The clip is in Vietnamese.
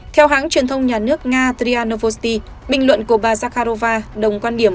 theo hãng truyền thông nhà nước nga trianovosti bình luận của bà zakharova đồng quan điểm